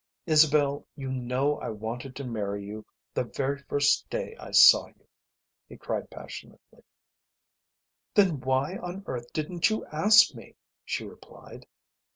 "Isabel, you know I wanted to marry you the very first day I saw you," he cried passionately. "Then why on earth didn't you ask me?" she replied.